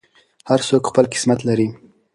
هر څوک خپل قسمت لري.